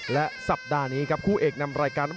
และสัปดาห์นี้ครับคู่เอกนำรายการ